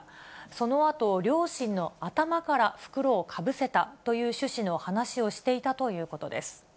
そのあと両親の頭から袋をかぶせたという趣旨の話をしていたということです。